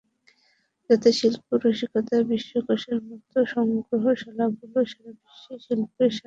যাতে শিল্প রসিকেরা বিশ্বকোষের মতো সংগ্রহশালাগুলোয় সারা বিশ্বের শিল্পের স্বাদ নিতে পারেন।